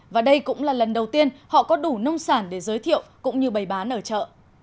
và đây cũng là lần đầu tiên họ có đủ nông sản để giới thiệu cũng như bày bán ở chợ